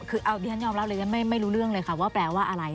คือเอาดิฉันยอมรับเลยไม่รู้เรื่องเลยค่ะว่าแปลว่าอะไร